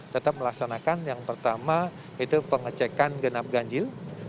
tetap melaksanakan yang pertama itu pengecekan genap ganjil